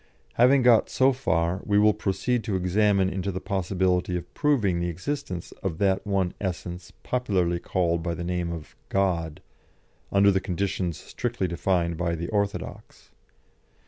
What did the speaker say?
Having got so far, we will proceed to examine into the possibility of proving the existence of that one essence popularly called by the name of God, under the conditions strictly defined by the orthodox.